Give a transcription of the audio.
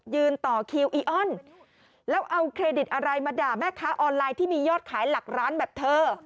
ต่อคิวอีออนแล้วเอาเครดิตอะไรมาด่าแม่ค้าออนไลน์ที่มียอดขายหลักร้านแบบเธอ